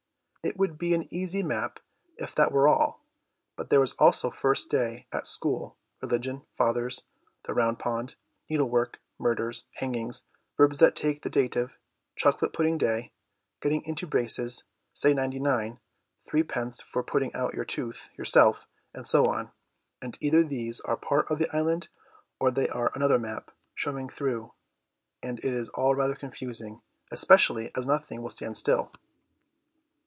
It would be an easy map if that were all, but there is also first day at school, religion, fathers, the round pond, needle work, murders, hangings, verbs that take the dative, chocolate pudding day, getting into braces, say ninety nine, three pence for pulling out your tooth yourself, and so on, and either these are part of the island or they are another map showing through, and it is all rather confusing, especially as nothing will stand still.